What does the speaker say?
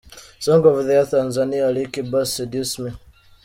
Song of the Year Tanzania AliKiba – Seduce Me.